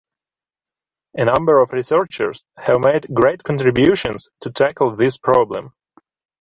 A number of researchers have made great contributions to tackle this problem.